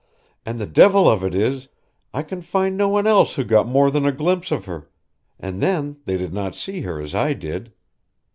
And the devil of it is, I can find no one else who got more than a glimpse of her, and then they did not see her as I did.